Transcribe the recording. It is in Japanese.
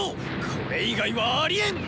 これ以外はありえん！